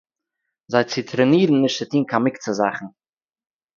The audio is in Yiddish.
זיי צו טרענירן נישט צו טאָן קיינע מוקצה-זאַכן